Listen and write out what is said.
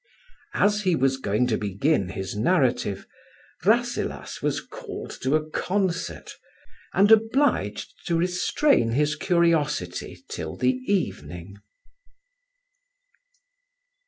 As he was going to begin his narrative, Rasselas was called to a concert, and obliged to restrain his curiosity till the evening.